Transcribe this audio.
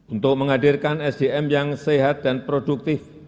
untuk menghadirkan sdm yang sehat dan produktif